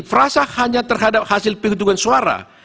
frasa hanya terhadap hasil penghitungan suara